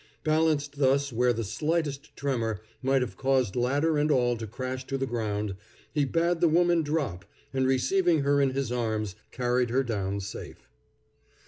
Balanced thus where the slightest tremor might have caused ladder and all to crash to the ground, he bade the woman drop, and receiving her in his arms, carried her down safe.